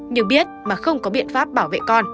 nhưng biết mà không có biện pháp bảo vệ con